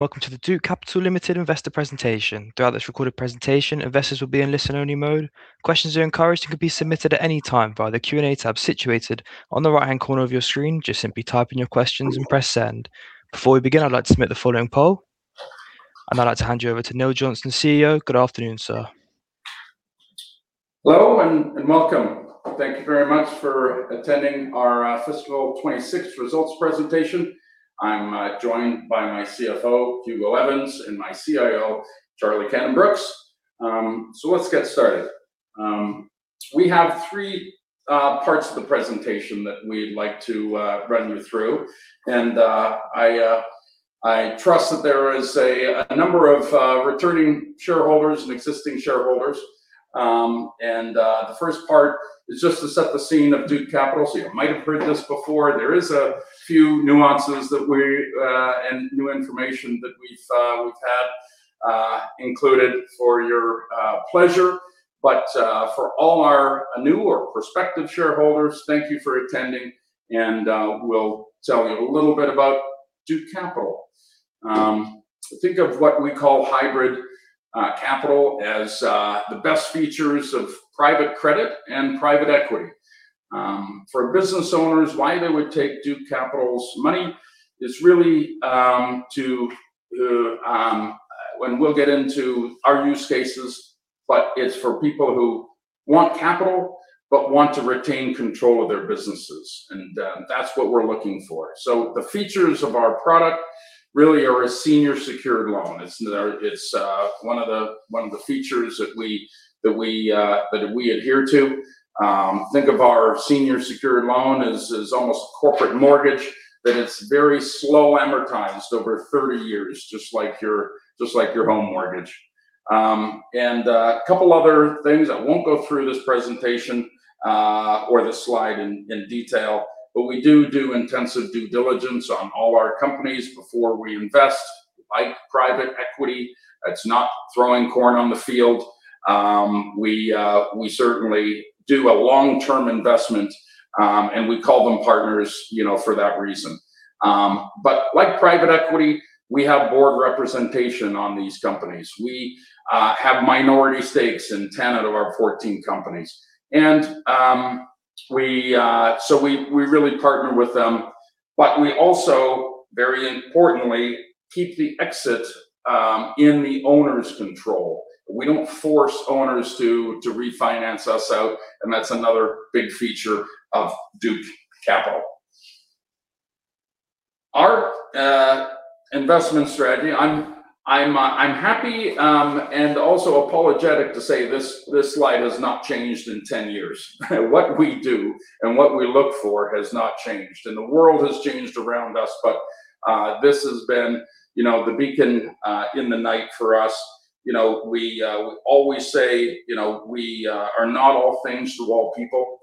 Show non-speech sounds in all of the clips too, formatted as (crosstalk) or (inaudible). Welcome to the Duke Capital Limited investor presentation. Throughout this recorded presentation, investors will be in listen-only mode. Questions are encouraged and can be submitted at any time via the Q&A tab situated on the right-hand corner of your screen. Just simply type in your questions and press send. Before we begin, I'd like to submit the following poll, and I'd like to hand you over to Neil Johnson, CEO. Good afternoon, sir. Hello and welcome. Thank you very much for attending our fiscal 2026 results presentation. I'm joined by my CFO, Hugo Evans, and my CIO, Charlie Cannon Brookes. Let's get started. We have three parts of the presentation that we'd like to run you through. I trust that there is a number of returning shareholders and existing shareholders. The first part is just to set the scene of Duke Capital. You might have heard this before. There is a few nuances and new information that we've had included for your pleasure. For all our new or prospective shareholders, thank you for attending, and we'll tell you a little bit about Duke Capital. Think of what we call hybrid capital as the best features of private credit and private equity. For business owners, why they would take Duke Capital's money, it's really to, when we'll get into our use cases, but it's for people who want capital but want to retain control of their businesses, and that's what we're looking for. The features of our product really are a senior secured loan. It's one of the features that we adhere to. Think of our senior secured loan as almost a corporate mortgage, that it's very slow amortized over 30 years, just like your home mortgage. And a couple of other things. I won't go through this presentation or this slide in detail, but we do intensive due diligence on all our companies before we invest. Like private equity, it's not throwing corn on the field. We certainly do a long-term investment, and we call them partners for that reason. Like private equity, we have board representation on these companies. We have minority stakes in 10 out of our 14 companies. We really partner with them, but we also, very importantly, keep the exit in the owner's control. We don't force owners to refinance us out, and that's another big feature of Duke Capital. Our investment strategy, I'm happy and also apologetic to say this slide has not changed in 10 years. What we do and what we look for has not changed. The world has changed around us, but this has been the beacon in the night for us. We always say, we are not all things to all people.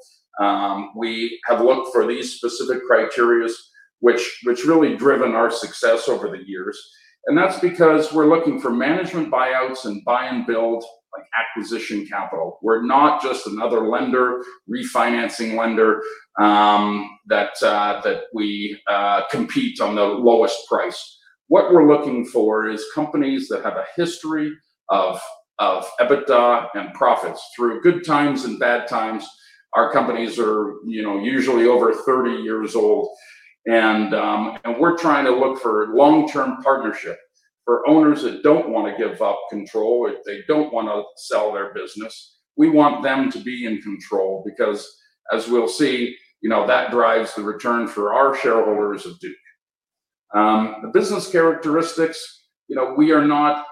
We have looked for these specific criteria, which really driven our success over the years, and that's because we're looking for management buyouts and buy and build, like acquisition capital. We're not just another lender, refinancing lender, that we compete on the lowest price. What we're looking for is companies that have a history of EBITDA and profits through good times and bad times. Our companies are usually over 30 years old, and we're trying to look for long-term partnerships for owners that don't want to give up control. If they don't want to sell their business, we want them to be in control because, as we'll see, that drives the return for our shareholders of Duke. The business characteristics, we are not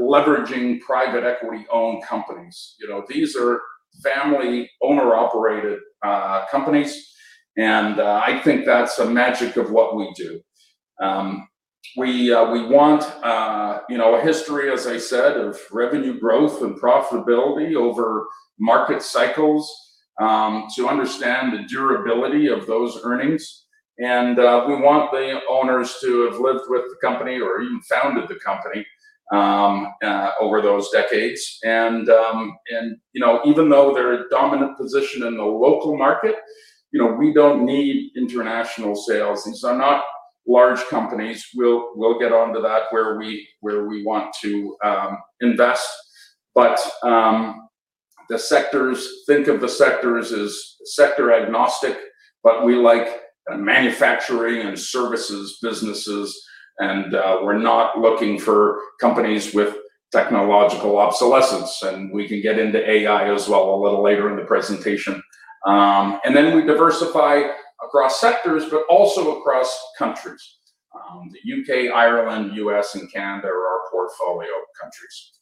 leveraging private equity-owned companies. These are family owner-operated companies, and I think that's a magic of what we do. We want a history, as I said, of revenue growth and profitability over market cycles to understand the durability of those earnings. We want the owners to have lived with the company or even founded the company over those decades. Even though they're a dominant position in the local market, we don't need international sales. These are not large companies, we'll get onto that where we want to invest, but the sectors, think of the sectors as sector agnostic, but we like manufacturing and services businesses, and we're not looking for companies with technological obsolescence. We can get into AI as well a little later in the presentation. We diversify across sectors, but also across countries. The U.K., Ireland, U.S., and Canada are our portfolio countries.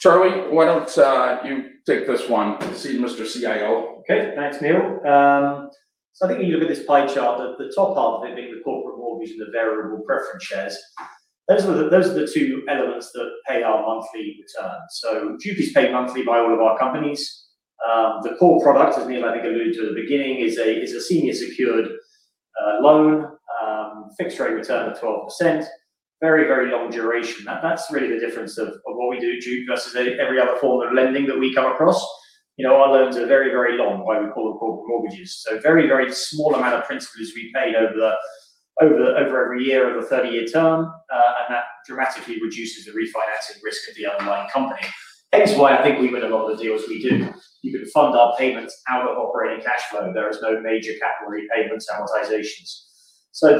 Charlie, why don't you take this one? Thanks, Mr. CIO. Okay. Thanks, Neil. I think when you look at this pie chart, the top half of it being the corporate mortgage and the variable preference shares, those are the two elements that pay our monthly return. Duke is paid monthly by all of our companies. The core product, as Neil, I think, alluded to at the beginning, is a senior secured loan, fixed rate return of 12%. Very, very long duration. That's really the difference of what we do at Duke versus every other form of lending that we come across. Our loans are very, very long, why we call them corporate mortgages. Very, very small amount of principal is repaid over every year of the 30-year term, and that dramatically reduces the refinancing risk of the underlying company. Hence why I think we win a lot of the deals we do. You can fund our payments out of operating cash flow. There is no major capital repayments, amortizations.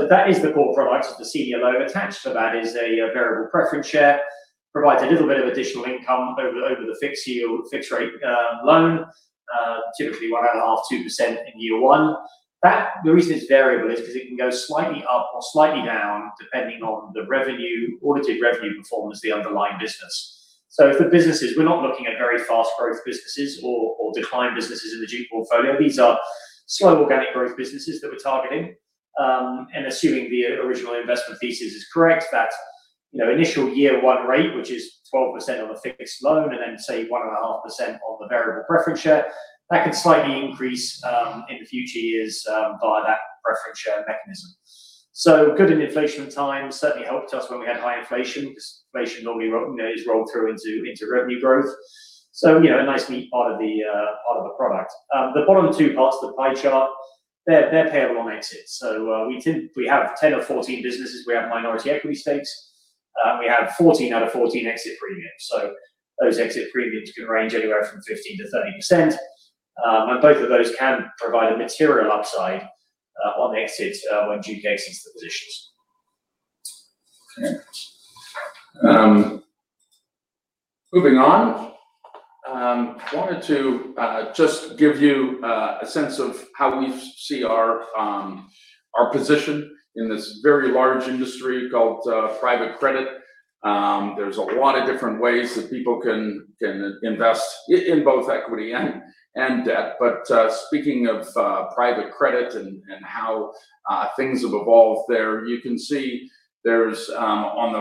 That is the core product of the senior loan. Attached to that is a variable preference share, provides a little bit of additional income over the fixed rate loan. Typically, 1.5%-2% in year one. The reason it's variable is because it can go slightly up or slightly down depending on the audited revenue performance of the underlying business. For businesses, we're not looking at very fast growth businesses or declined businesses in the Duke portfolio. These are slow organic growth businesses that we're targeting. Assuming the original investment thesis is correct, that initial year one rate, which is 12% on the fixed loan, and then, say, 1.5% on the variable preference share, that could slightly increase in future years via that preference share mechanism. Good in inflationary times, certainly helped us when we had high inflation, because inflation normally is rolled through into revenue growth. A nice neat part of the product. The bottom two parts of the pie chart, they're paid on exit. We have 10 of 14 businesses we have minority equity stakes. We have 14 out of 14 exit premiums. Those exit premiums can range anywhere from 15%-30%, and both of those can provide a material upside on exit when Duke exits the positions. Okay. Moving on. Wanted to just give you a sense of how we see our position in this very large industry called private credit. There's a lot of different ways that people can invest in both equity and debt. Speaking of private credit and how things have evolved there, you can see there's, on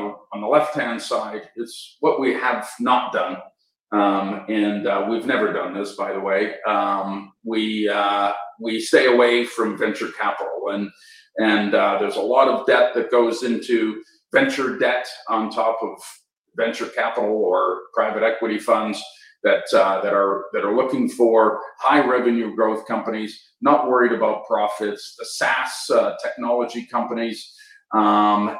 the left-hand side, is what we have not done. We've never done this, by the way. We stay away from venture capital. There's a lot of debt that goes into venture debt on top of venture capital or private equity funds that are looking for high revenue growth companies, not worried about profits, the SaaS technology companies, and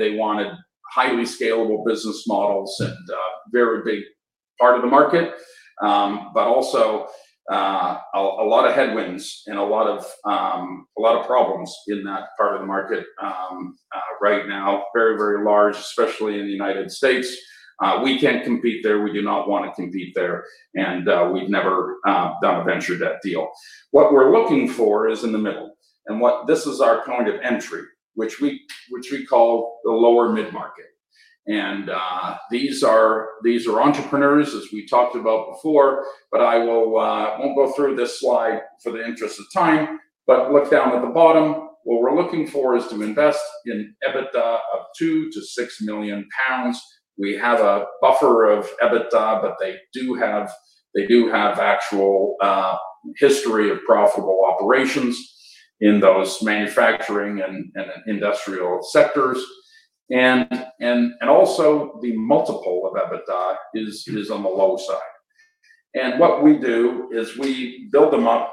they wanted highly scalable business models and a very big part of the market. Also, a lot of headwinds and a lot of problems in that part of the market right now, very, very large, especially in the United States. We can't compete there. We do not want to compete there, and we've never done a venture debt deal. What we're looking for is in the middle, and this is our point of entry, which we call the lower mid-market. These are entrepreneurs, as we talked about before, but I won't go through this slide for the interest of time. Look down at the bottom. What we're looking for is to invest in EBITDA of 2 million-6 million pounds. We have a buffer of EBITDA, but they do have actual history of profitable operations in those manufacturing and industrial sectors. Also, the multiple of EBITDA is on the low side. What we do is we build them up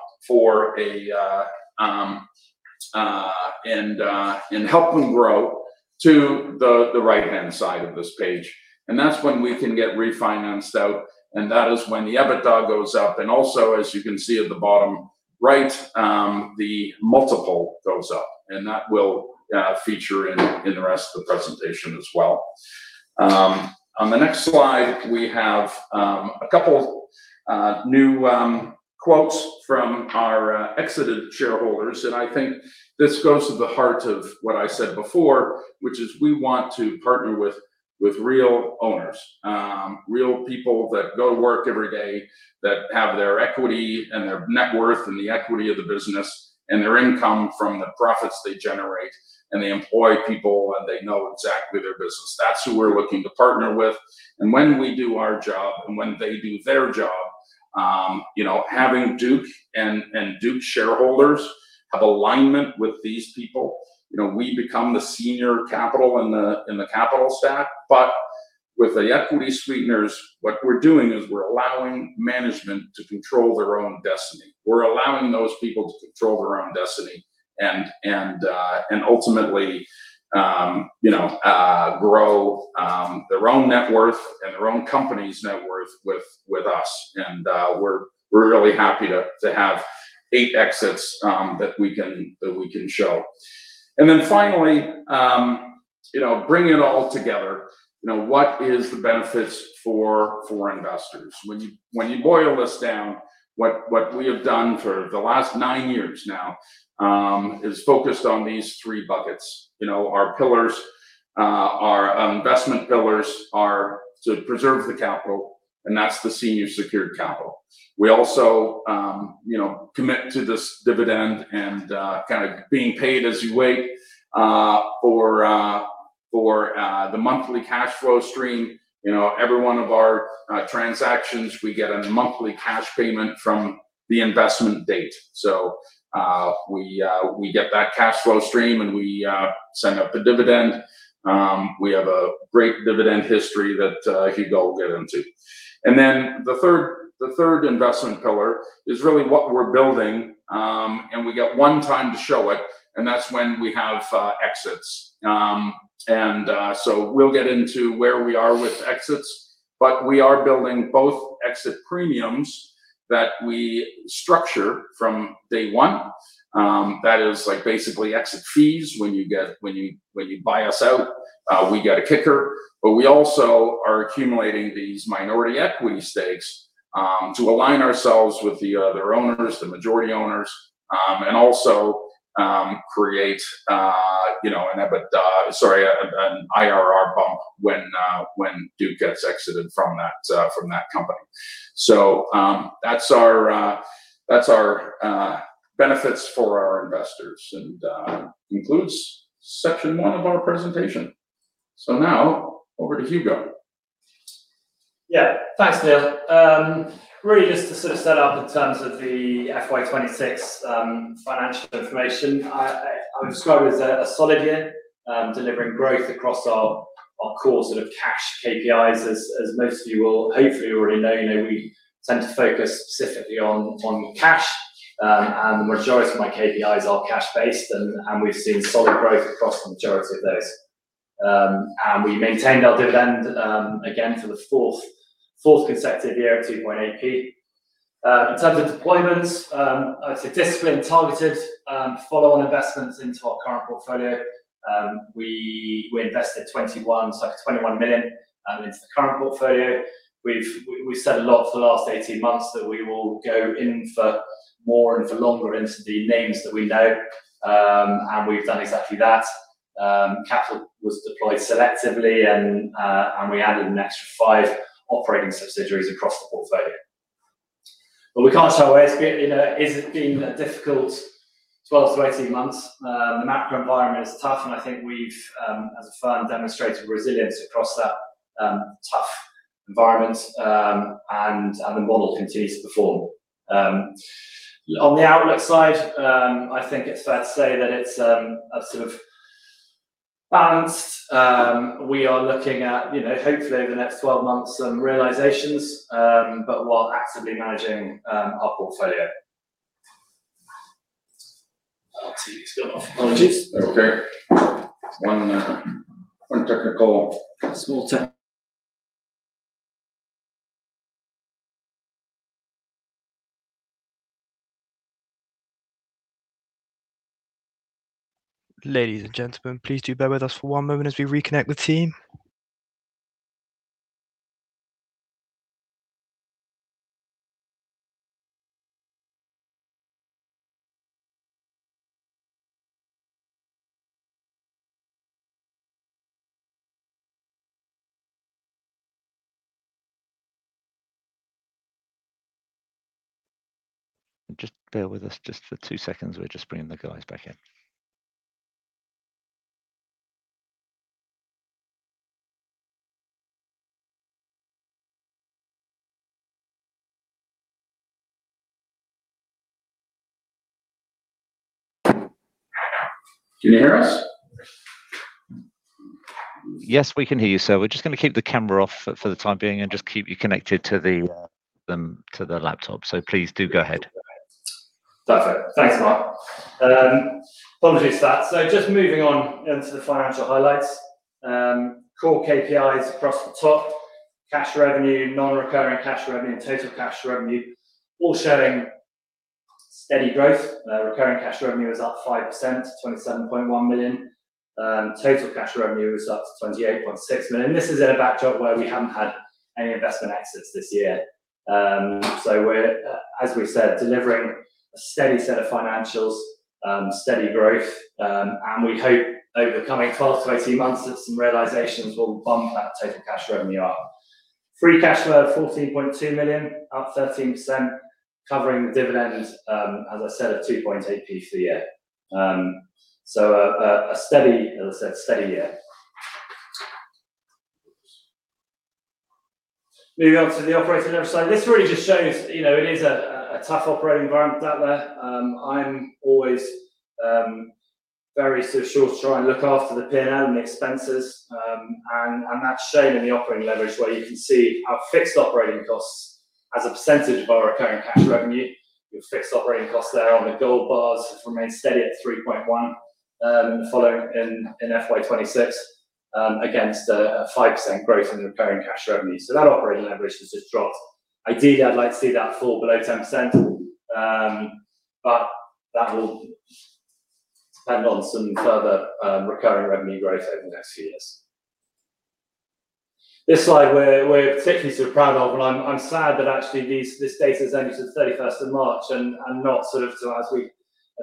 and help them grow, to the right-hand side of this page. That's when we can get refinanced out, and that is when the EBITDA goes up. Also, as you can see at the bottom right, the multiple goes up. That will feature in the rest of the presentation as well. On the next slide, we have a couple new quotes from our exited shareholders. I think this goes to the heart of what I said before, which is we want to partner with real owners, real people that go to work every day, that have their equity and their net worth and the equity of the business, and their income from the profits they generate, and they employ people, and they know exactly their business. That's who we're looking to partner with. When we do our job, when they do their job, having Duke and Duke shareholders have alignment with these people. We become the senior capital in the capital stack, but with the equity sweeteners, what we're doing is we're allowing management to control their own destiny. We're allowing those people to control their own destiny and ultimately, grow their own net worth and their own company's net worth with us. We're really happy to have eight exits that we can show. Finally, bringing it all together. What is the benefits for investors? When you boil this down, what we have done for the last nine years now is focused on these three buckets. Our pillars, our investment pillars are to preserve the capital, and that's the senior secured capital. We also commit to this dividend, kind of being paid as you wait for the monthly cash flow stream. Every one of our transactions, we get a monthly cash payment from the investment date. We get that cash flow stream, and we send up the dividend. We have a great dividend history that Hugo will get into. The third investment pillar is really what we're building, and we get one time to show it, and that's when we have exits. We'll get into where we are with exits, but we are building both exit premiums that we structure from day one. That is like basically exit fees. When you buy us out, we get a kicker. We also are accumulating these minority equity stakes to align ourselves with the other owners, the majority owners, and also create an IRR bump when Duke gets exited from that company. That's our benefits for our investors and concludes section one of our presentation. Now, over to Hugo. Yeah. Thanks, Neil. Really just to set up in terms of the FY 2026 financial information, I would describe it as a solid year, delivering growth across our core cash KPIs as most of you will hopefully already know. We tend to focus specifically on cash, and the majority of my KPIs are cash-based, and we've seen solid growth across the majority of those. We maintained our dividend again for the fourth consecutive year at 0.028. In terms of deployments, a disciplined, targeted follow-on investments into our current portfolio. We invested 21 million into the current portfolio. We've said a lot for the last 18 months that we will go in for more and for longer into the names that we know, and we've done exactly that. Capital was deployed selectively, and we added an extra five operating subsidiaries across the portfolio. We can't shy away. It's been a difficult 12-18 months. The macro environment is tough, and I think we've, as a firm, demonstrated resilience across that tough environment, and the model continues to perform. On the outlook slide, I think it's fair to say that it's sort of balanced. We are looking at, hopefully over the next 12 months, some realizations, but while actively managing our portfolio. My TV's gone off. Apologies. That's okay. One technical. Small tech. Ladies and gentlemen, please do bear with us for one moment as we reconnect the team. Just bear with us for two seconds. We're just bringing the guys back in. Can you hear us? Yes, we can hear you, sir. We're just going to keep the camera off for the time being and just keep you connected to the laptop. Please do go ahead. Perfect. Thanks, Mark. Apologies for that. Just moving on into the financial highlights. Core KPIs across the top. Cash revenue, non-recurring cash revenue and total cash revenue all showing steady growth. Recurring cash revenue is up 5%, to 27.1 million. Total cash revenue is up to 28.6 million. This is in a backdrop where we haven't had any investment exits this year. We're, as we've said, delivering a steady set of financials, steady growth. We hope over the coming 12-18 months that some realizations will bump that total cash revenue up. Free cash flow of 14.2 million, up 13%, covering the dividend, as I said, of 0.028 for the year. So, a steady, as I said, steady year. Moving on to the operating leverage slide. This really just shows it is a tough operating environment out there. I'm always very sort of sure to try and look after the P&L and the expenses, and that's shown in the operating leverage where you can see our fixed operating costs as a percentage of our recurring cash revenue. Your fixed operating costs there on the gold bars remain steady at 3.1%, following in FY 2026, against a 5% growth in the recurring cash revenue. That operating leverage has just dropped. Ideally, I'd like to see that fall below 10%, but that will depend on some further recurring revenue growth over the next few years. This slide, we're particularly sort of proud of, and I'm sad that actually this data is only to the 31st of March and not sort of to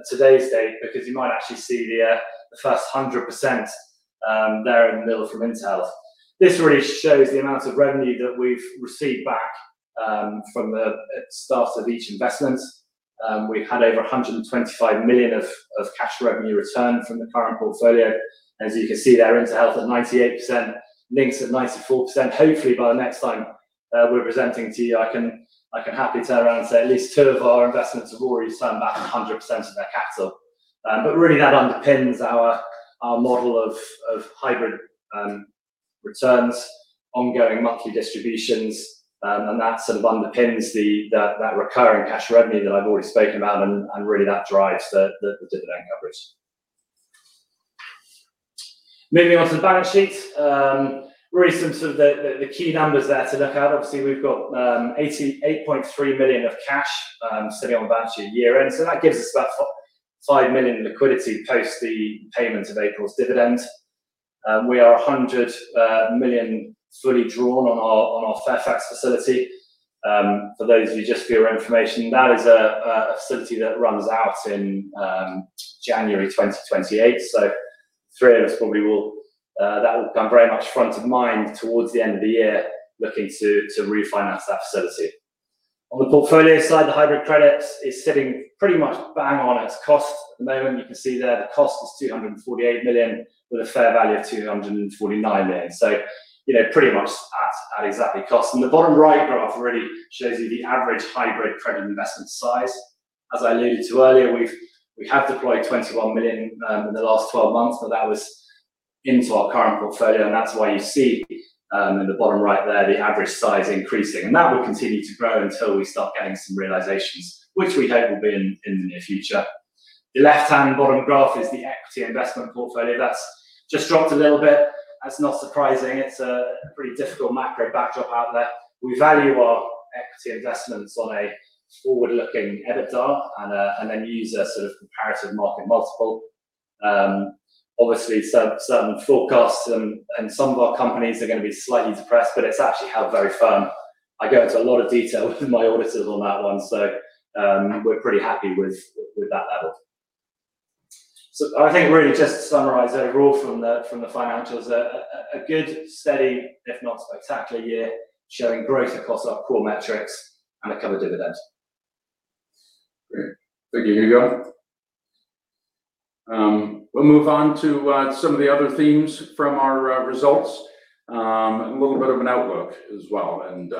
today's date, because you might actually see the first 100% there in the middle from Inter. This really shows the amount of revenue that we've received back from the start of each investment. We've had over 125 million of cash revenue return from the current portfolio. As you can see there, InterHealth at 98%, Lynx at 94%. Hopefully, by the next time we're presenting to you, I can happily turn around and say at least two of our investments have already returned back 100% of their capital. Really, that underpins our model of hybrid returns, ongoing monthly distributions, and that sort of underpins that recurring cash revenue that I've already spoken about, and really that drives the dividend coverage. Moving on to the balance sheet, really some of the key numbers there to look at, obviously, we've got 8.3 million of cash sitting on the balance sheet at year-end, so that gives us that 5 million liquidity post the payment of April's dividend. We are 100 million fully drawn on our Fairfax facility. For those of you, just for your information, that is a facility that runs out in January 2028. That will become very much front of mind towards the end of the year, looking to refinance that facility. On the portfolio side, the hybrid credits is sitting pretty much bang on its cost at the moment. You can see there the cost is 248 million, with a fair value of 249 million, so pretty much at exactly cost. The bottom right graph really shows you the average hybrid credit investment size. As I alluded to earlier, we have deployed 21 million in the last 12 months, but that was into our current portfolio, and that's why you see in the bottom right there, the average size increasing. That will continue to grow until we start getting some realizations, which we hope will be in the near future. The left-hand bottom graph is the equity investment portfolio. That's just dropped a little bit. That's not surprising. It's a pretty difficult macro backdrop out there. We value our equity investments on a forward-looking EBITDA and then use a sort of comparative market multiple. Obviously, some forecasts and some of our companies are going to be slightly depressed, but it's actually held very firm. I go into a lot of detail with my auditors on that one, so we're pretty happy with that level. I think really just to summarize overall from the financials, a good, steady, if not spectacular year, showing growth across our core metrics and a covered dividend. Great. Thank you, Hugo. We'll move on to some of the other themes from our results. A little bit of an outlook as well, and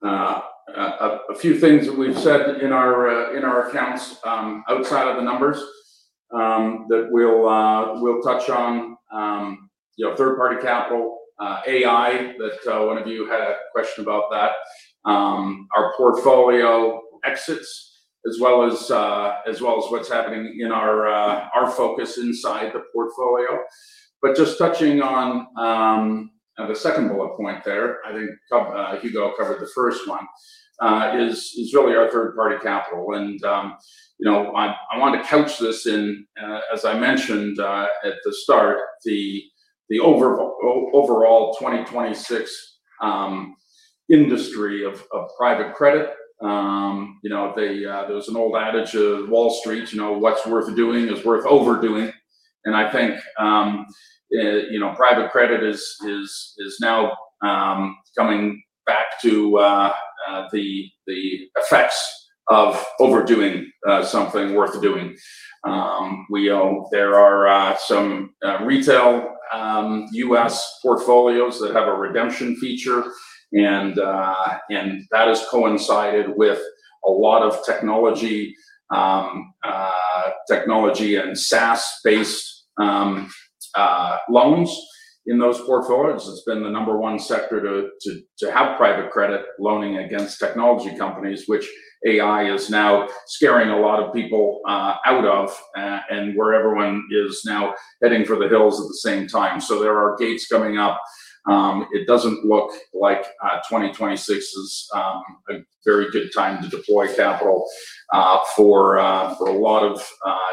a few things that we've said in our accounts outside of the numbers that we'll touch on, you know, third-party capital, AI, that one of you had a question about that. Our portfolio exits as well as what's happening in our focus inside the portfolio. Just touching on the second bullet point there, I think Hugo covered the first one, is really our third-party capital. I want to couch this in, as I mentioned at the start, the overall 2026 industry of private credit. There's an old adage of Wall Street, "What's worth doing is worth overdoing." I think private credit is now coming back to the effects of overdoing something worth doing. There are some retail U.S. portfolios that have a redemption feature, and that has coincided with a lot of technology and SaaS-based loans in those portfolios. It's been the number one sector to have private credit loaning against technology companies, which AI is now scaring a lot of people out of, and where everyone is now heading for the hills at the same time. There are dates coming up. It doesn't look like 2026 is a very good time to deploy capital for a lot of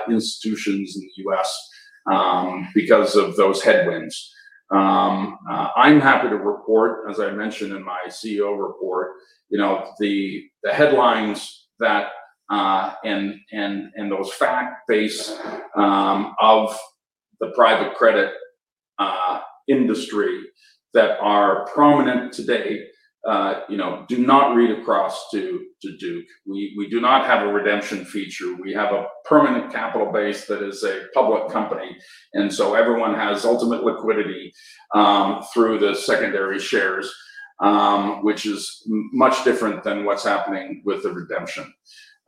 institutions in the U.S. because of those headwinds. I'm happy to report, as I mentioned in my CEO report, the headlines and those fact base of the private credit industry that are prominent today, do not read across to Duke. We do not have a redemption feature. We have a permanent capital base that is a public company, and so everyone has ultimate liquidity through the secondary shares, which is much different than what's happening with the redemption.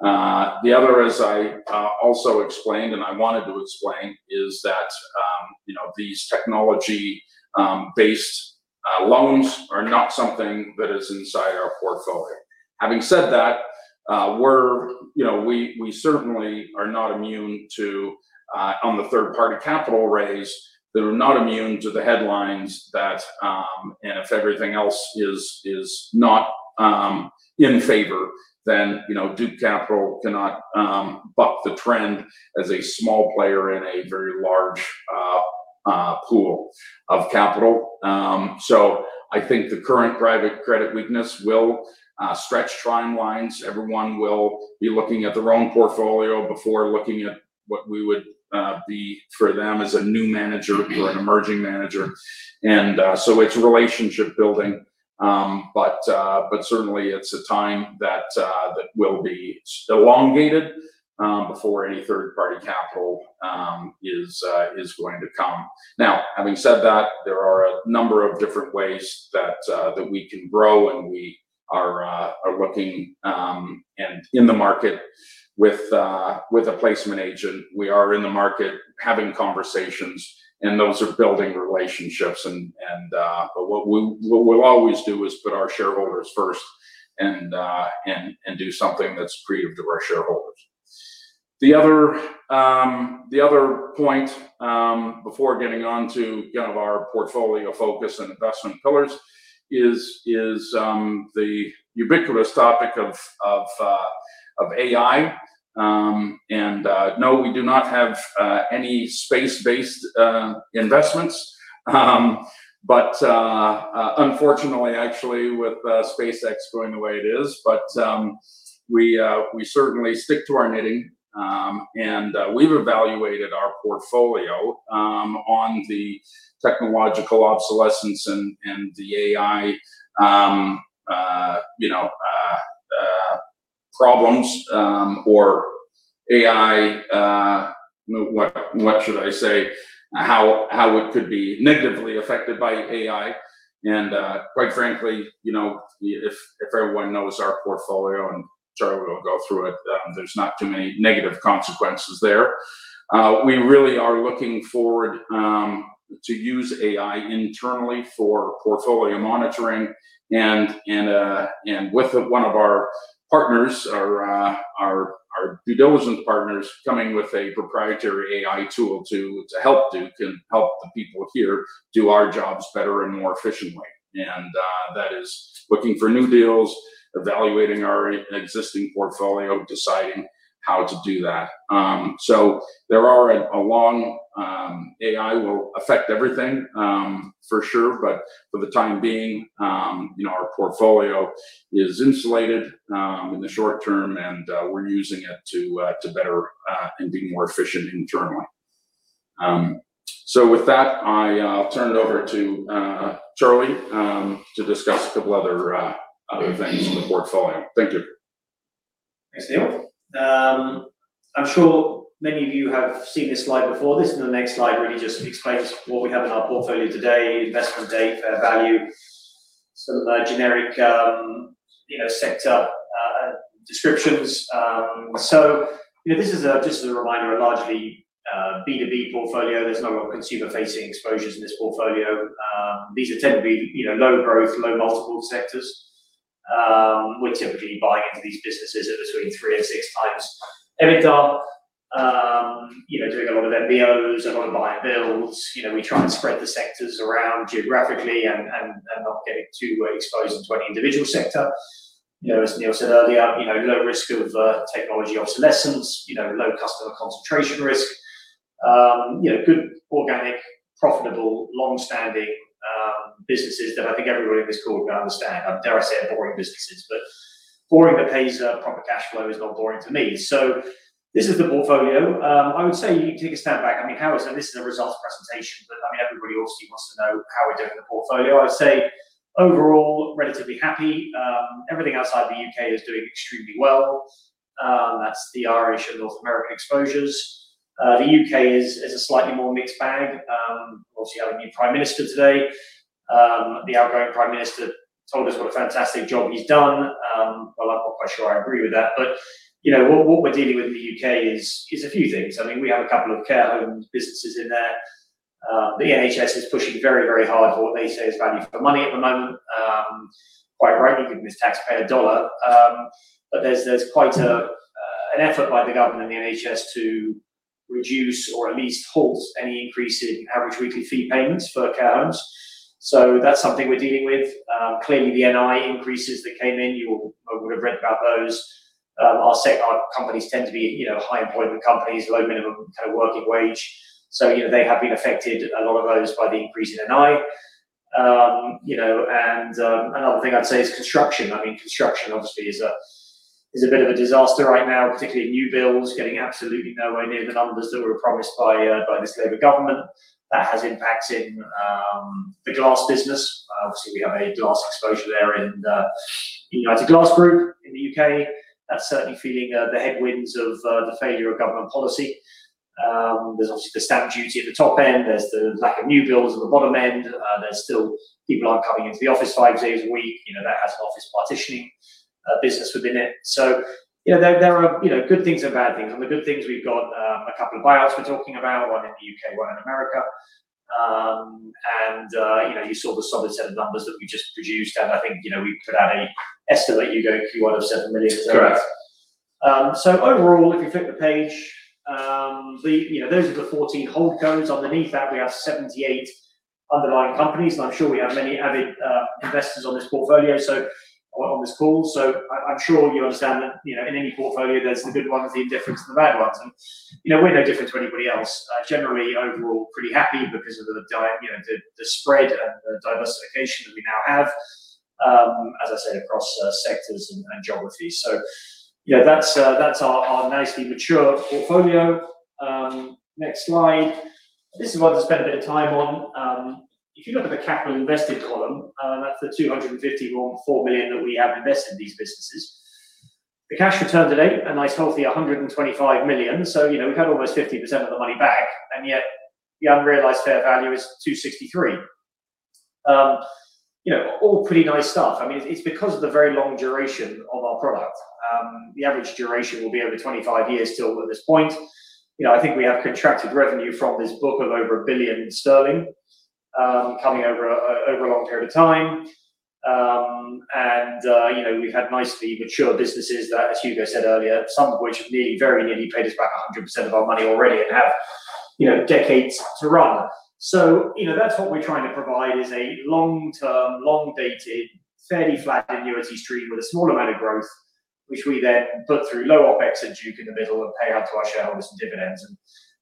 The other, as I also explained, and I wanted to explain, is that these technology-based loans are not something that is inside our portfolio. Having said that, we certainly are not immune to, on the third-party capital raise, that we're not immune to the headlines that, and if everything else is not in favor, then Duke Capital cannot buck the trend as a small player in a very large pool of capital. I think the current private credit weakness will stretch timelines. Everyone will be looking at their own portfolio before looking at what we would be for them as a new manager or an emerging manager. It's relationship building, but certainly, it's a time that will be elongated before any third-party capital is going to come. Now, having said that, there are a number of different ways that we can grow, and we are looking and in the market with a placement agent. We are in the market having conversations, and those are building relationships. What we'll always do is put our shareholders first and do something that's creative to our shareholders. The other point, before getting onto kind of our portfolio focus and investment pillars is the ubiquitous topic of AI. No, we do not have any space-based investments, unfortunately, actually with SpaceX going the way it is. We certainly stick to our knitting. We've evaluated our portfolio on the technological obsolescence and the AI problems, or AI, what should I say, how it could be negatively affected by AI. Quite frankly, if everyone knows our portfolio, and Charlie will go through it, there's not too many negative consequences there. We really are looking forward to use AI internally for portfolio monitoring and with one of our partners, our due diligence partners coming with a proprietary AI tool to help Duke and help the people here do our jobs better and more efficiently, and that is looking for new deals, evaluating our existing portfolio, deciding how to do that. There are a long AI will affect everything for sure, but for the time being, our portfolio is insulated in the short term and we're using it to better and be more efficient internally. With that, I'll turn it over to Charlie to discuss a couple other things on the portfolio. Thank you. Thanks, Neil. I'm sure many of you have seen this slide before this, and the next slide really just explains what we have in our portfolio today, investment date, fair value, some generic sector descriptions. This is just as a reminder, a largely B2B portfolio. There's not a lot of consumer-facing exposures in this portfolio. These are tend to be low growth, low multiple sectors. We're typically buying into these businesses at between 3x and 6x EBITDA. Doing a lot of MBOs, a lot of buy and builds. We try and spread the sectors around geographically and not get too exposed into any individual sector. As Neil said earlier, low risk of technology obsolescence, low customer concentration risk. Good organic, profitable, long-standing businesses that I think everybody on this call would understand. Dare I say are boring businesses, but boring that pays a proper cash flow is not boring to me. This is the portfolio. I would say you take a step back, I mean, how is, this is a results presentation, but everybody obviously wants to know how we're doing in the portfolio. I would say overall, relatively happy. Everything outside the U.K. is doing extremely well. That's the Irish and North American exposures. The U.K. is a slightly more mixed bag. Obviously, had a new prime minister today. The outgoing prime minister told us what a fantastic job he's done. Well, I'm not quite sure I agree with that. What we're dealing with in the U.K. is a few things. We have a couple of care homes businesses in there. The NHS is pushing very, very hard for what they say is value for money at the moment. Quite rightly, given it's taxpayer dollar. There's quite an effort by the government and the NHS to reduce or at least halt any increase in average weekly fee payments for care homes. That's something we're dealing with. Clearly, the NI increases that came in, you will or would've read about those. Our companies tend to be high employment companies, low minimum kind of working wage, so they have been affected, a lot of those by the increase in NI. Another thing I'd say is construction. Construction obviously is a bit of a disaster right now, particularly new builds getting absolutely nowhere near the numbers that were promised by this Labour government. That has impacts in the glass business. Obviously, we have a glass exposure there in United Glass Group in the U.K. That's certainly feeling the headwinds of the failure of government policy. There's obviously the stamp duty at the top end. There's the lack of new builds at the bottom end. There's still people aren't coming into the office five days a week. That has an office partitioning business within it. There are good things and bad things. The good things, we've got a couple of buyouts we're talking about, one in the U.K., one in America. You saw the solid set of numbers that we just produced, and I think we could add an estimate, Hugo, Q1 of 7 million there. Correct. Overall, if you flip the page, those are the 14 holdcos. Underneath that, we have 78 underlying companies, and I'm sure we have many avid investors on this portfolio, so on this call. I'm sure you understand that in any portfolio there's the good ones, the indifferents, and the bad ones. We're no different to anybody else. Generally, overall, pretty happy because of the spread and the diversification that we now have, as I said, across sectors and geography. That's our nicely mature portfolio. Next slide. This is one to spend a bit of time on. If you look at the capital invested column, that's the 251.4 million that we have invested in these businesses. The cash return today, a nice healthy 125 million. We've had almost 50% of the money back, and yet the unrealized fair value is 263 million. All pretty, (audio distortion) I mean, it's because of the very long duration of our product. The average duration will be over 25 years still at this point. I think we have contracted revenue from this book of over 1 billion in sterling, coming over a long period of time. We've had nicely mature businesses that, as Hugo said earlier, some of which nearly, very nearly paid us back 100% of our money already and have decades to run. That's what we're trying to provide, is a long-term, long-dated, fairly flat annuity stream with a small amount of growth, which we then put through low OpEx at Duke in the middle and pay out to our shareholders in dividends. We've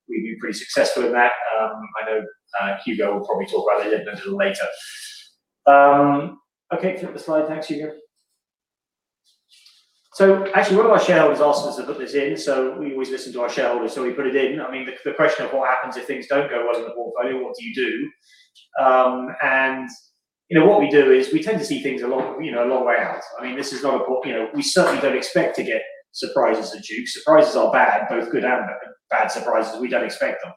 been pretty successful in that. I know Hugo will probably talk about it a little later. Okay, flip the slide. Thanks, Hugo. Actually, one of our shareholders asked us to put this in, so we always listen to our shareholders, so we put it in. The question of what happens if things don't go well in the portfolio, what do you do? What we do is we tend to see things a long way out. I mean, this is not, you know, we certainly don't expect to get surprises at Duke. Surprises are bad. Both good and bad surprises, we don't expect them.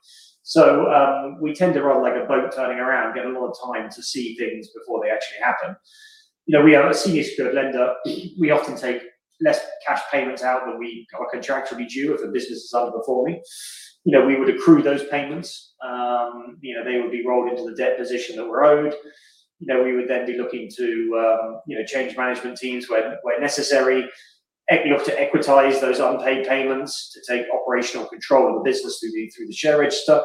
We tend to run like a boat turning around, get a lot of time to see things before they actually happen. We are a senior secured lender. We often take less cash payments out than we contractually due if a business is underperforming. We would accrue those payments. They would be rolled into the debt position that we're owed. We would then be looking to change management teams where necessary. We look to equitize those unpaid payments to take operational control of the business through the share register.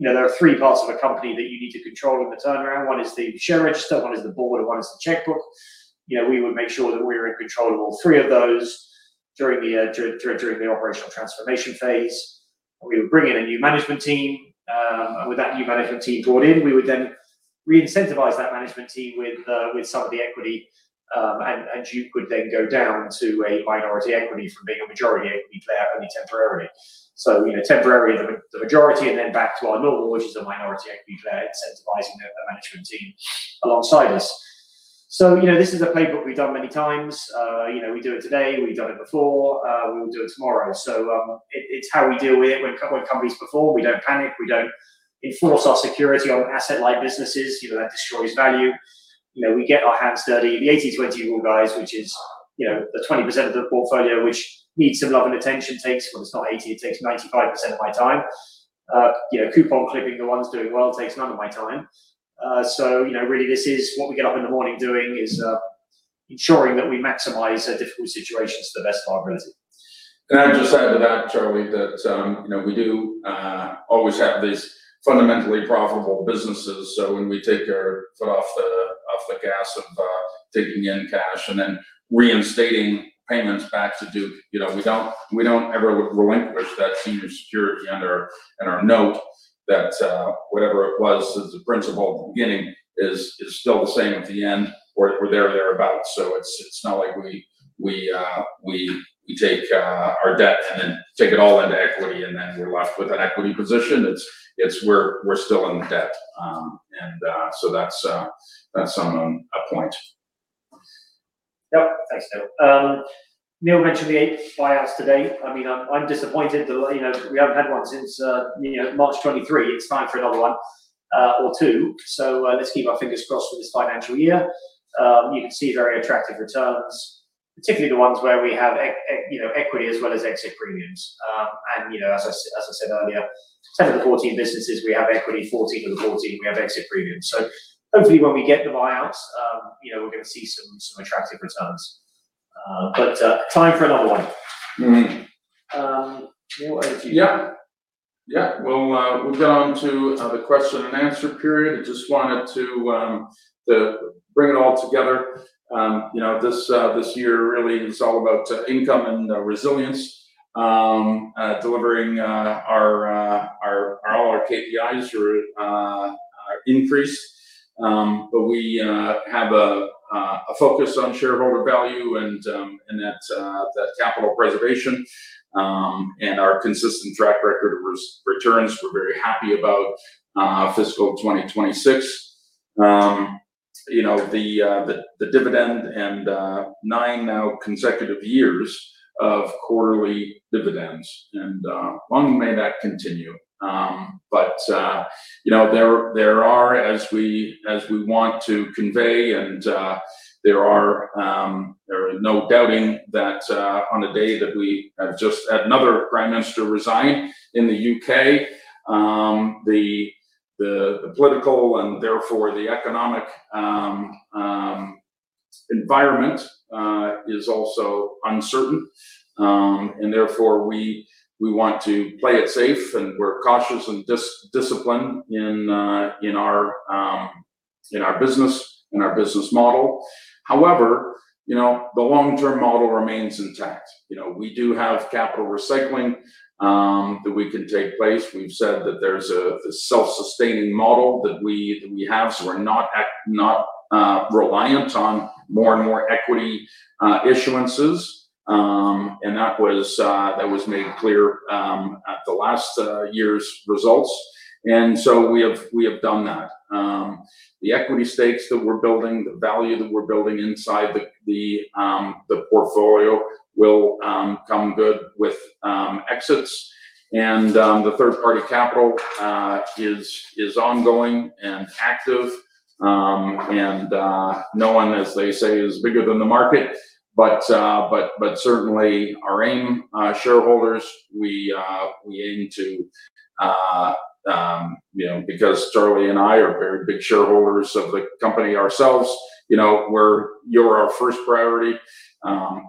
There are three parts of a company that you need to control in the turnaround. One is the share register, one is the board, one is the checkbook. We would make sure that we were in control of all three of those during the operational transformation phase. We would bring in a new management team. With that new management team brought in, we would then re-incentivize that management team with some of the equity. Duke would then go down to a minority equity from being a majority equity player, only temporarily. Temporary the majority, and then back to our normal, which is the minority equity player incentivizing the management team alongside us. This is a playbook we've done many times. We do it today, we've done it before, we will do it tomorrow. It's how we deal with it when companies perform. We don't panic. We don't enforce our security on asset-light businesses. That destroys value. We get our hands dirty. The 80/20 rule, guys, which is the 20% of the portfolio which needs some love and attention takes, well, it's not 80%, it takes 95% of my time. Coupon clipping the ones doing well takes none of my time. Really, this is what we get up in the morning doing, is ensuring that we maximize difficult situations to the best of our ability. Can I just add to that, Charlie, that we do always have these fundamentally profitable businesses. When we take our foot off the gas of taking in cash and then reinstating payments back to Duke, we don't ever relinquish that senior security and our note that whatever it was as the principal at the beginning is still the same at the end or there or thereabout. It's not like we take our debt and then take it all into equity and then we're left with an equity position. It's, we're still in debt, and that's a point. Yep. Thanks, Neil. Neil mentioned the eight buyouts to date. I'm disappointed that we haven't had one since March 2023. It's time for another one or two, so let's keep our fingers crossed for this financial year. You can see very attractive returns, particularly the ones where we have equity as well as exit premiums. As I said earlier, 10 of the 14 businesses, we have equity, 14 of the 14, we have exit premiums. Hopefully when we get the buyouts, we're going to see some attractive returns. Time for another one. What were the few? Yeah. We'll get onto the question-and-answer period. I just wanted to bring it all together. This year, really, is all about income and resilience. Delivering, all our KPIs are increased, but we have a focus on shareholder value and that capital preservation, and our consistent track record of returns. We're very happy about fiscal 2026. The dividend and nine now consecutive years of quarterly dividends, and long may that continue. There are, as we want to convey, there are no doubting that on the day that we have just had another prime minister resign in the U.K., the political and therefore the economic environment is also uncertain. Therefore, we want to play it safe, and we're cautious and disciplined in our business and our business model. However, the long-term model remains intact. We do have capital recycling that we can take place. We've said that there's a self-sustaining model that we have, so we're not reliant on more and more equity issuances. That was made clear at the last year's results. We have done that. The equity stakes that we're building, the value that we're building inside the portfolio will come good with exits. The third-party capital is ongoing and active. No one, as they say, is bigger than the market, but certainly, our aim, shareholders, we aim to, you know, because Charlie and I are very big shareholders of the company ourselves, you're our first priority.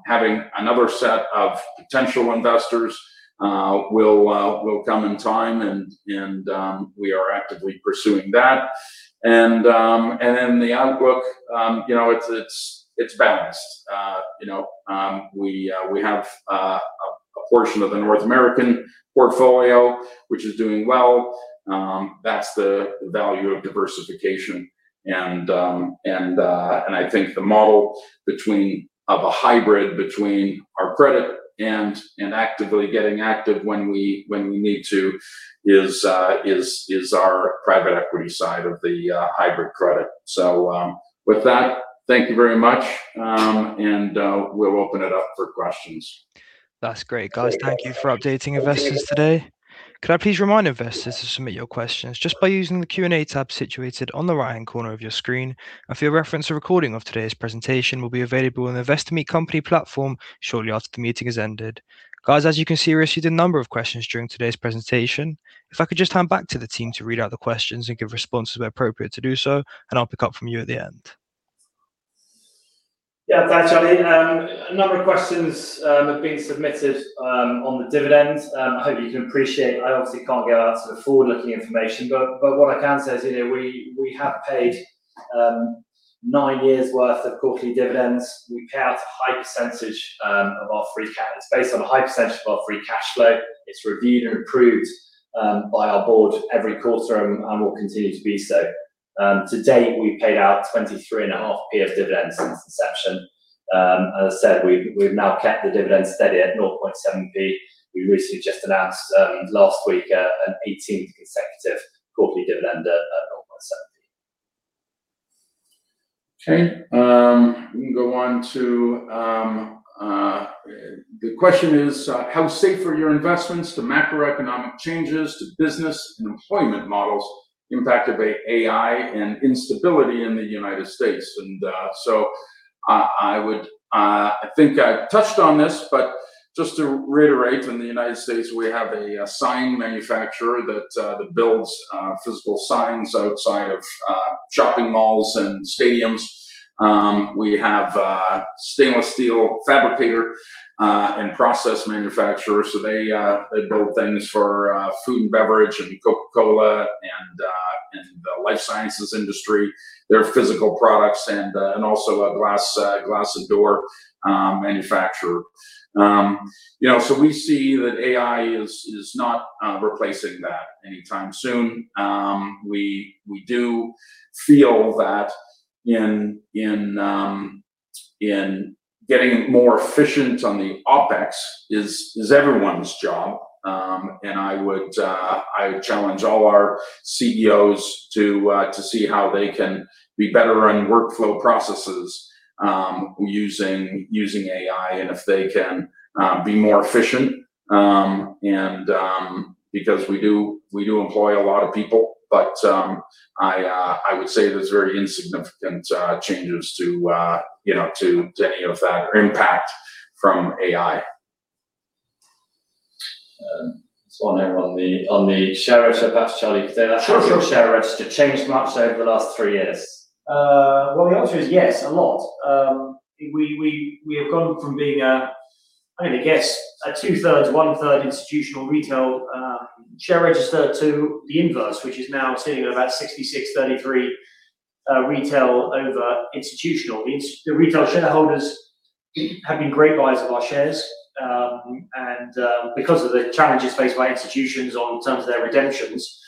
Having another set of potential investors will come in time and we are actively pursuing that. Then, the outlook, it's balanced. We have a portion of the North American portfolio which is doing well. That's the value of diversification and I think the model of a hybrid between our credit and actively getting active when we need to is our private equity side of the hybrid credit. With that, thank you very much, and we'll open it up for questions. That's great, guys. Thank you for updating investors today. Could I please remind investors to submit your questions just by using the Q&A tab situated on the right-hand corner of your screen. For your reference, a recording of today's presentation will be available on the Investor Meet Company platform shortly after the meeting has ended. Guys, as you can see, we received a number of questions during today's presentation. If I could just hand back to the team to read out the questions and give responses where appropriate to do so, and I'll pick up from you at the end. Yeah. Thanks, Charlie. A number of questions have been submitted on the dividends. I hope you can appreciate, I obviously can't give out sort of forward-looking information, but what I can say is we have paid nine years' worth of quarterly dividends. We pay out a high percentage of our free cash. It's based on a high percentage of our free cash flow. It's reviewed and approved by our board every quarter and will continue to be so. To date, we've paid out 0.235 of dividends since inception. As I said, we've now kept the dividend steady at 0.007. We recently just announced last week an 18th consecutive quarterly dividend at GBP 0.007. Okay. We can go on to, the question is, how safe are your investments to macroeconomic changes to business and employment models, impact of AI and instability in the United States? I think I touched on this, but just to reiterate, in the United States, we have a sign manufacturer that builds physical signs outside of shopping malls and stadiums. We have a stainless steel fabricator and process manufacturer, so they build things for food and beverage and Coca-Cola and the life sciences industry, their physical products, and also a glass door manufacturer. We see that AI is not replacing that anytime soon. We do feel that in getting more efficient on the OpEx is everyone's job. I would challenge all our CEOs to see how they can be better on workflow processes using AI and if they can be more efficient, because we do employ a lot of people. I would say there's very insignificant changes to any of that or impact from AI. There's one here on the share register. Perhaps Charlie could take that. Sure. Has your share register changed much over the last three years? Well, the answer is yes, a lot. We have gone from being a, I guess a 2/3, 1/3 institutional retail share register to the inverse, which is now sitting at about 66/33 retail over institutional. The retail shareholders have been great buyers of our shares. Because of the challenges faced by institutions on terms of their redemptions,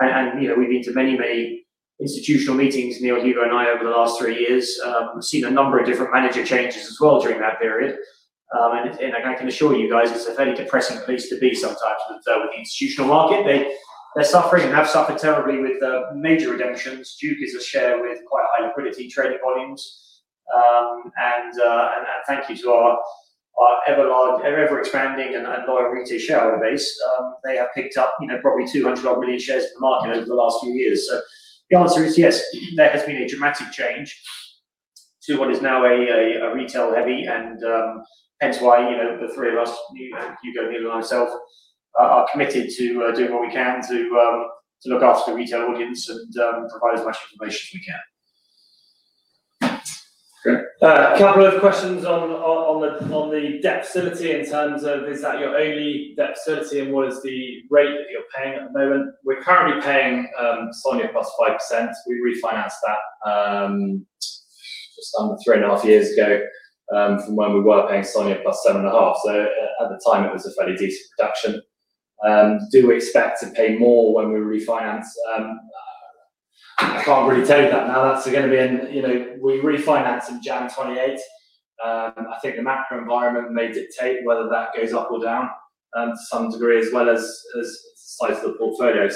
we've been to many institutional meetings, Neil, Hugo and I, over the last three years. We've seen a number of different manager changes as well during that period. I can assure you guys, it's a very depressing place to be sometimes with the institutional market. They're suffering and have suffered terribly with major redemptions. Duke is a share with quite high liquidity trading volumes. Thank you to our ever-expanding and loyal retail shareholder base. They have picked up probably 200-odd million shares of the market over the last few years. The answer is yes, there has been a dramatic change to what is now a retail heavy and hence why the three of us, Hugo, Neil and myself, are committed to doing what we can to look after the retail audience and provide as much information as we can. Great. A couple of questions on the debt facility in terms of is that your only debt facility and what is the rate that you're paying at the moment? We're currently paying SONIA plus 5%. We refinanced that just under three and a half years ago, from when we were paying SONIA plus 7.5%. At the time, it was a fairly decent reduction. Do we expect to pay more when we refinance? I can't really tell you that now. That's going to be in, we refinance in January 2028. I think the macro environment may dictate whether that goes up or down to some degree, as well as size of the portfolio.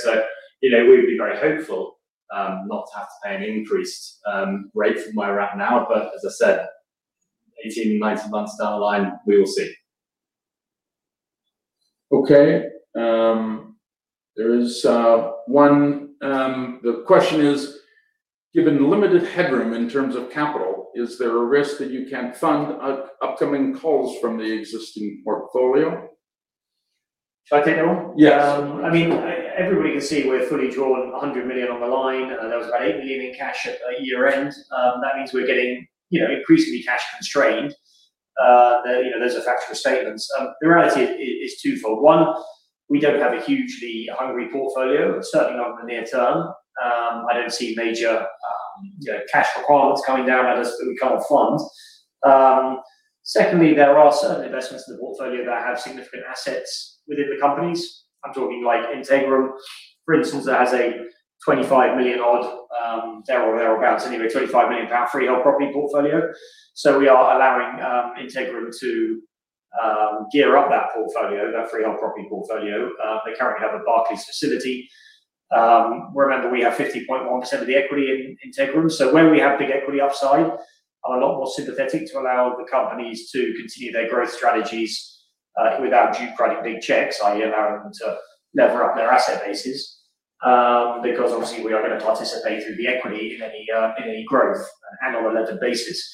We would be very hopeful, not to have to pay an increased rate from where we're at now. But as I said, 18-19 months down the line, we will see. Okay. There's one, the question is, given the limited headroom in terms of capital, is there a risk that you can't fund upcoming calls from the existing portfolio? Shall I take that one? Yes. Everybody can see we're fully drawn 100 million on the line, and there was about 8 million in cash at year-end. That means we're getting increasingly cash constrained. Those are factual statements. The reality is twofold. One, we don't have a hugely hungry portfolio, certainly not in the near term. I don't see major cash requirements coming down at us that we can't fund. Secondly, there are certain investments in the portfolio that have significant assets within the companies. I'm talking like Integrum, for instance, that has a 25 million-odd, there or thereabouts anyway, 25 million pound freehold property portfolio. We are allowing Integrum to gear up that portfolio, that freehold property portfolio. They currently have a Barclays facility. Remember, we have 50.1% of the equity in Integrum. Where we have big equity upside, are a lot more sympathetic to allow the companies to continue their growth strategies, without due prudent big checks, i.e., allowing them to lever up their asset bases because obviously, we are going to participate through the equity in any growth on an unlevered basis.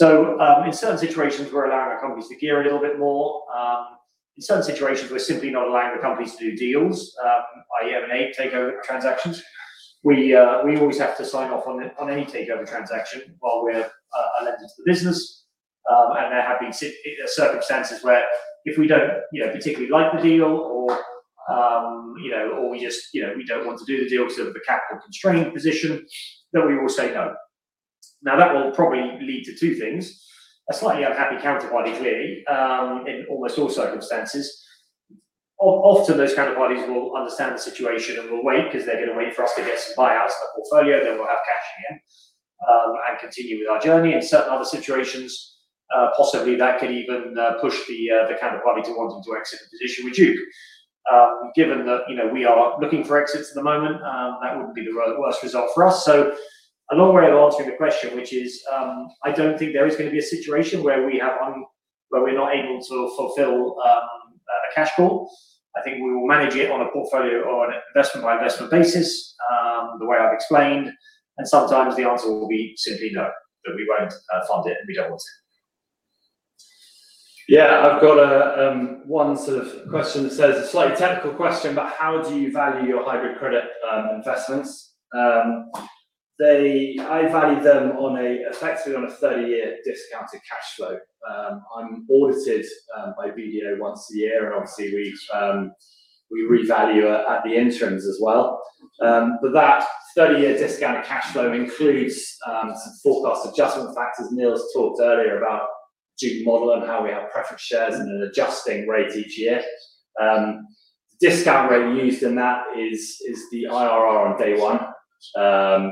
In certain situations, we're allowing our companies to gear a little bit more. In certain situations, we're simply not allowing the companies to do deals, i.e., M&A, takeover transactions. We always have to sign off on any takeover transaction while we're a lender to the business. There have been circumstances where if we don't particularly like the deal or we don't want to do the deal because of a capital constraint position, then we will say no. That will probably lead to two things. A slightly unhappy counterparty, clearly, in almost all circumstances. Often those counterparties will understand the situation and will wait because they're going to wait for us to get some buyouts in the portfolio, then we'll have cash again, and continue with our journey. In certain other situations, possibly that could even push the counterparty to wanting to exit the position with Duke. Given that we are looking for exits at the moment, that wouldn't be the worst result for us. A long way of answering the question, which is, I don't think there is going to be a situation where we're not able to fulfill a cash call. I think we will manage it on a portfolio or on an investment by investment basis, the way I've explained, and sometimes the answer will be simply no, that we won't fund it and we don't want it. I've got one question that says, a slightly technical question, but how do you value your hybrid credit investments? I value them effectively on a 30-year discounted cash flow. I'm audited by BDO once a year, and obviously, we revalue at the interims as well. That 30-year discounted cash flow includes some forecast adjustment factors. Neil's talked earlier about Duke model and how we have preference shares and an adjusting rate each year. Discount rate, we used in that is the IRR on day one.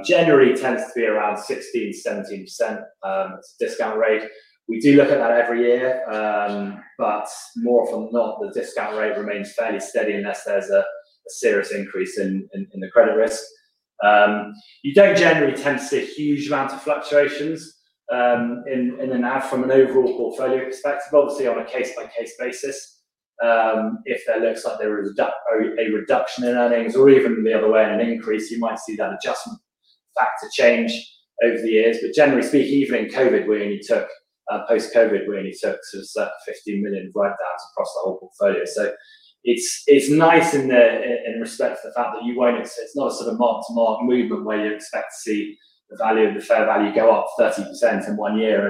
January tends to be around 16%, 17% discount rate. We do look at that every year, but more often than not, the discount rate remains fairly steady unless there's a serious increase in the credit risk. You don't generally tend to see huge amounts of fluctuations in and out from an overall portfolio perspective. Obviously, on a case-by-case basis, if there looks like there is a reduction in earnings or even the other way, an increase, you might see that adjustment factor change over the years. Generally speaking, even in post-COVID, we only took 15 million write-downs across the whole portfolio. It's nice in respect to the fact that it's not a sort of mark-to-market movement where you expect to see the value of the fair value go up 30% in one year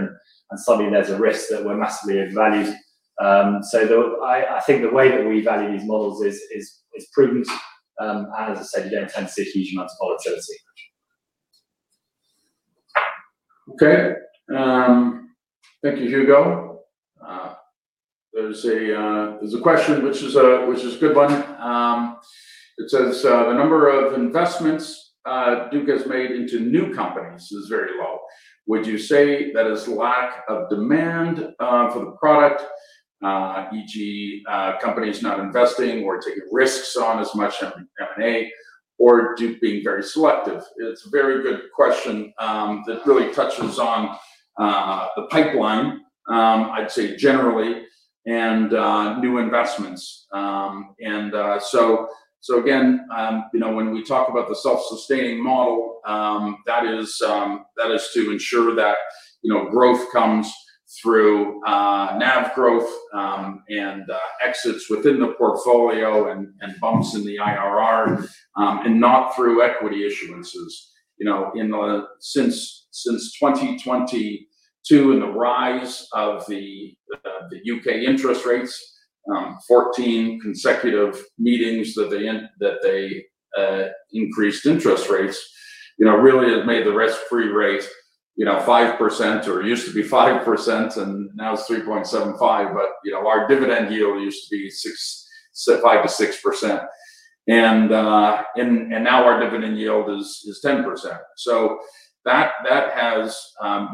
and suddenly there's a risk that we're massively overvalued. I think the way that we value these models is prudent, and as I said, you don't tend to see huge amounts of volatility. Okay. Thank you, Hugo. There's a question which is a good one. It says, the number of investments Duke has made into new companies is very low. Would you say that is lack of demand for the product, e.g., companies not investing or taking risks on as much M&A or Duke being very selective? It's a very good question that really touches on the pipeline, I'd say generally, and new investments. Again, when we talk about the self-sustaining model, that is to ensure that growth comes through NAV growth, and exits within the portfolio and bumps in the IRR, and not through equity issuances. Since 2022 and the rise of the U.K. interest rates, 14 consecutive meetings that they increased interest rates, really have made the risk-free rate 5%, or it used to be 5% and now it's 3.75%, our dividend yield used to be 5%-6%. Now, our dividend yield is 10%. That has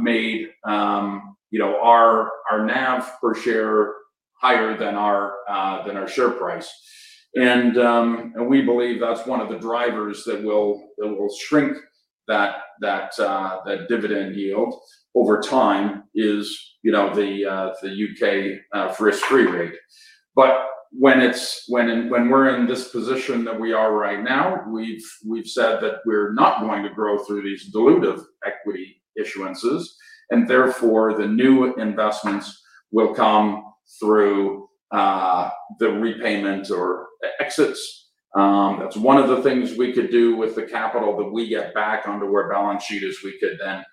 made our NAV per share higher than our share price. We believe that's one of the drivers that will shrink that dividend yield over time is the U.K. risk-free rate. When we're in this position that we are right now, we've said that we're not going to grow through these dilutive equity issuances, and therefore, the new investments will come through the repayment or exits. That's one of the things we could do with the capital that we get back onto our balance sheet, is we could then,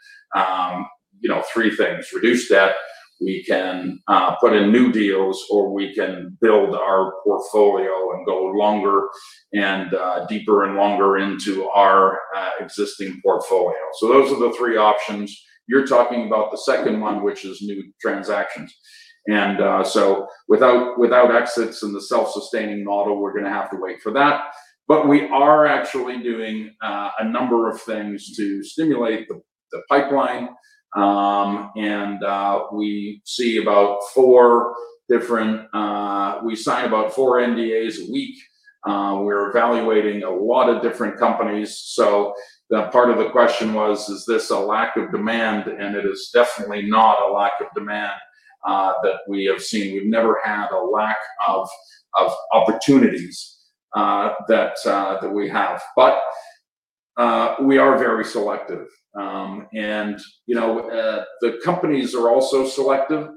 three things: reduce debt, we can put in new deals, or we can build our portfolio and go deeper and longer into our existing portfolio. Those are the three options. You're talking about the second one, which is new transactions. Without exits and the self-sustaining model, we're going to have to wait for that. But we are actually doing a number of things to stimulate the pipeline. We sign about four NDAs a week. We're evaluating a lot of different companies. The part of the question was, is this a lack of demand? It is definitely not a lack of demand that we have seen. We've never had a lack of opportunities that we have. But we are very selective. The companies are also selective.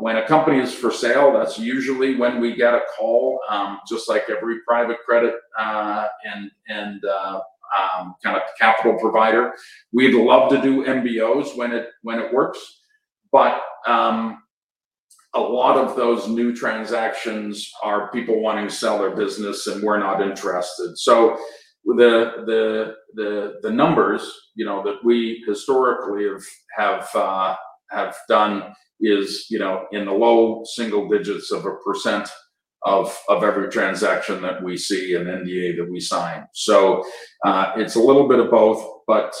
When a company is for sale, that's usually when we get a call, just like every private credit and capital provider. We'd love to do MBOs when it works, but a lot of those new transactions are people wanting to sell their business, and we're not interested. The numbers that we historically have done is in the low single digits of a percent of every transaction that we see, an NDA that we sign. It's a little bit of both, but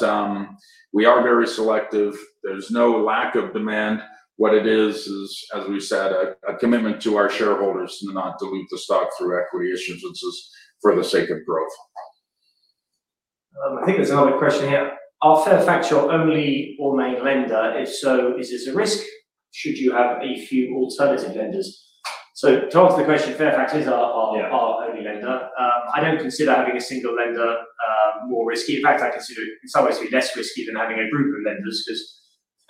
we are very selective. There's no lack of demand. What it is, as we've said, a commitment to our shareholders to not dilute the stock through equity issuances for the sake of growth. I think there's another question here. Are Fairfax your only or main lender? If so, is this a risk? Should you have a few alternative lenders? To answer the question, Fairfax is our only lender. I don't consider having a single lender more risky. In fact, I consider it in some ways to be less risky than having a group of lenders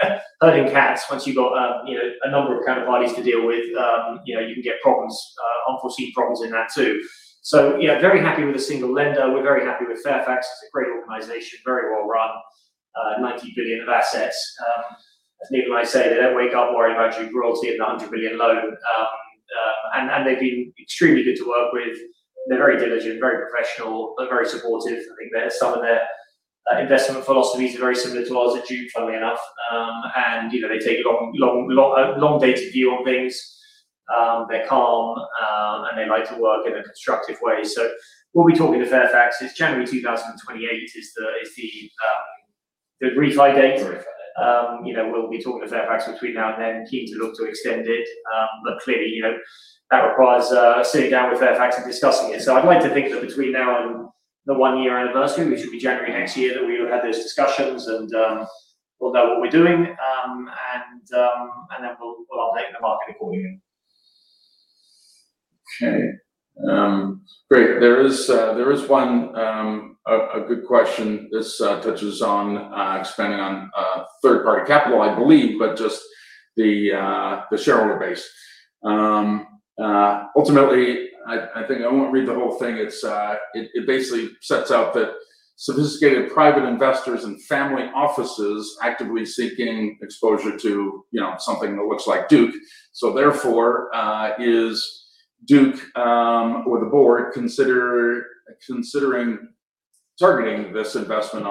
because herding cats, once you've got a number of counterparties to deal with you can get unforeseen problems in that too. Very happy with a single lender. We're very happy with Fairfax. It's a great organization, very well run, 90 billion of assets. As Neil might say, they don't wake up worrying about (audio distortion) and the 100 million loan. They've been extremely good to work with. They're very diligent, very professional. They're very supportive. I think that some of their investment philosophies are very similar to ours at Duke, funnily enough. They take a long-dated view on things. They're calm, and they like to work in a constructive way. We'll be talking to Fairfax. It's January 2028 is the refi date. Refi. We'll be talking to Fairfax between now and then, keen to look to extend it. But clearly, that requires sitting down with Fairfax and discussing it. I'd like to think that between now and the one-year anniversary, which will be January next year, that we will have those discussions and we'll know what we're doing. We'll update the market accordingly. Okay. Great. There is one, a good question. This touches on expanding on third-party capital, I believe, but just the shareholder base. Ultimately, I think I won't read the whole thing. It basically sets out that sophisticated private investors and family offices actively seeking exposure to something that looks like Duke. Therefore, is Duke or the board considering targeting this investment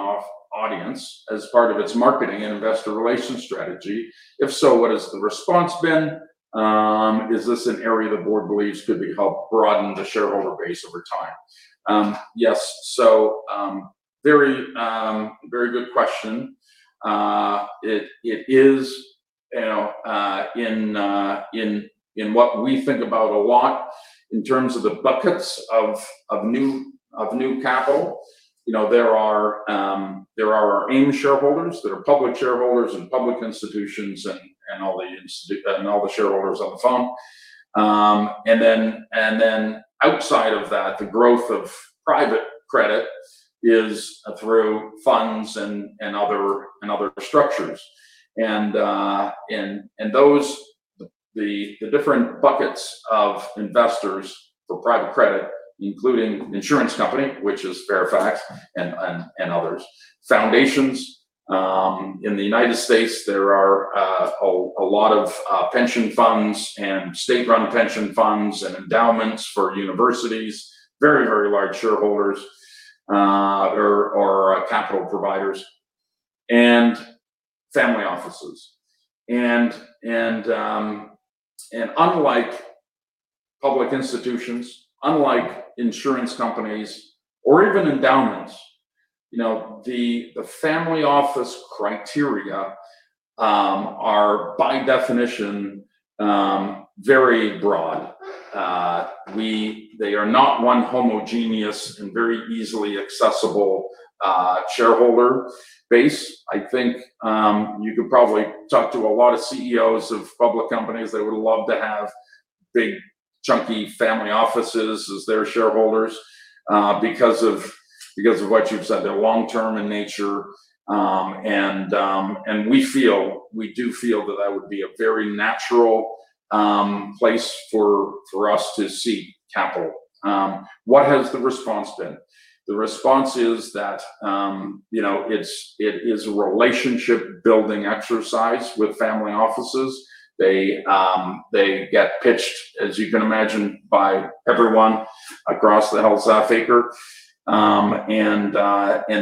audience as part of its marketing and investor relations strategy? If so, what has the response been? Is this an area the board believes could help broaden the shareholder base over time? Yes. Very good question. It is in what we think about a lot in terms of the buckets of new capital. There are our AIM shareholders, there are public shareholders and public institutions, and all the shareholders on the phone. Outside of that, the growth of private credit is through funds and other structures. Those, the different buckets of investors for private credit, including insurance company, which is Fairfax and others. Foundations. In the United States, there are a lot of pension funds and state-run pension funds and endowments for universities. Very, very large shareholders, or capital providers. And family offices. Unlike public institutions, unlike insurance companies or even endowments, the family office criteria are, by definition, very broad. They are not one homogeneous and very easily accessible shareholder base. I think you could probably talk to a lot of CEOs of public companies, they would love to have big chunky family offices as their shareholders because of what you've said, they're long-term in nature. We do feel that that would be a very natural place for us to seek capital. What has the response been? The response is that it is a relationship-building exercise with family offices. They get pitched, as you can imagine, by everyone across the board.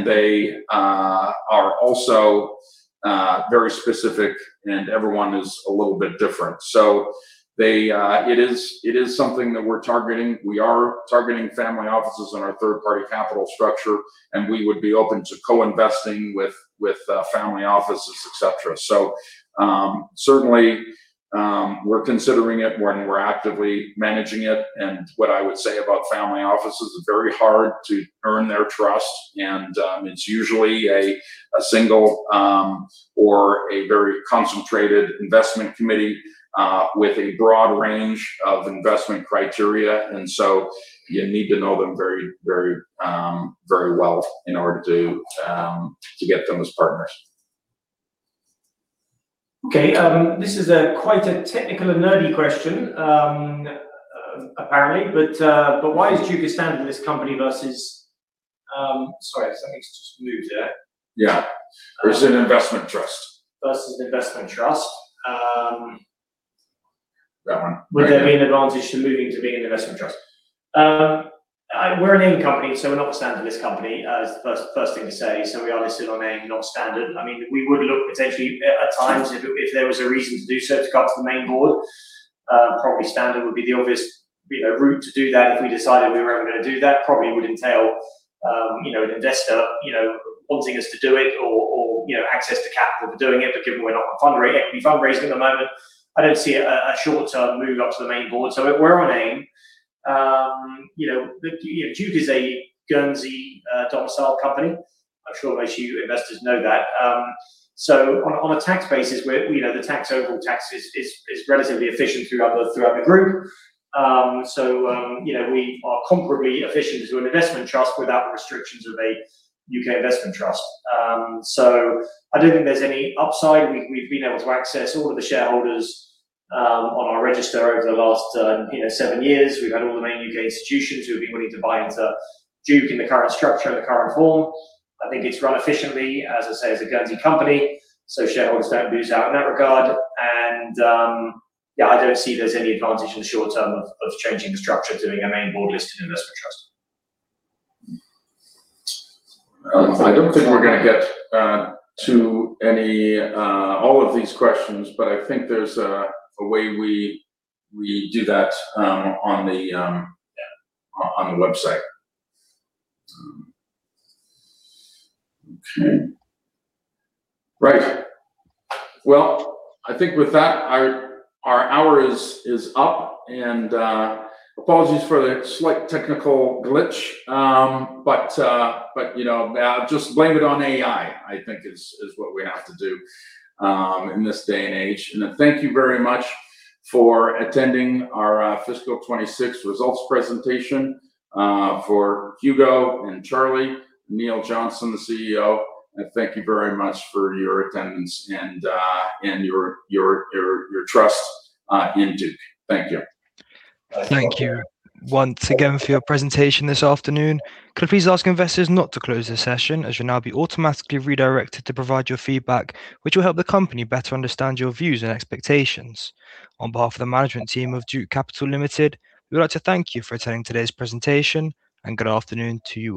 They are also very specific, and everyone is a little bit different. It is something that we're targeting. We are targeting family offices in our third-party capital structure, and we would be open to co-investing with family offices, et cetera. Certainly, we're considering it and we're actively managing it. What I would say about family offices, it's very hard to earn their trust, and it's usually a single or a very concentrated investment committee with a broad range of investment criteria. You need to know them very well in order to get them as partners. Okay. This is quite a technical and nerdy question, apparently. Why is Duke a standard list company versus, sorry, something's just moved there. Yeah. Versus an investment trust. Versus an investment trust. That one. Would there be an advantage to moving to being an investment trust? We're an AIM company, so we're not a standard list company, is the first thing to say. We are listed on AIM, not standard. We would look potentially at times if there was a reason to do so to cut to the main board. Probably standard would be the obvious route to do that if we decided we were ever going to do that. Probably would entail an investor wanting us to do it or access to capital for doing it. Given we're not fundraising at the moment, I don't see a short-term move up to the main board. We're on AIM. Duke is a Guernsey domicile company. I'm sure most of you investors know that. On a tax basis, the tax overall is relatively efficient throughout the group. We are comparably efficient as an investment trust without the restrictions of a U.K. investment trust. I don't think there's any upside. We've been able to access all of the shareholders on our register over the last seven years. We've had all the main U.K. institutions who have been willing to buy into Duke in the current structure, in the current form. I think it's run efficiently, as I say, as a Guernsey company, so shareholders don't lose out in that regard. Yeah, I don't see there's any advantage in the short term of changing the structure, doing a main board-listed investment trust. I don't think we're going to get to all of these questions, but I think there's a way we do that on the. Yeah. On the website. Okay. Right. I think with that, our hour is up, and apologies for the slight technical glitch. Just blame it on AI, I think is what we have to do in this day and age. Thank you very much for attending our fiscal 2026 results presentation. For Hugo and Charlie, Neil Johnson, the CEO, thank you very much for your attendance and your trust in Duke. Thank you. Thank you once again for your presentation this afternoon. Could I please ask investors not to close this session, as you'll now be automatically redirected to provide your feedback, which will help the company better understand your views and expectations. On behalf of the management team of Duke Capital Limited, we would like to thank you for attending today's presentation. Good afternoon to you all.